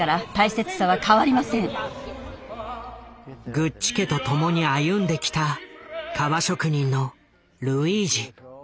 グッチ家とともに歩んできた革職人のルイージ。